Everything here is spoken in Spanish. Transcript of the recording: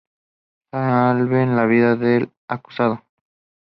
Salven la vida del acusado.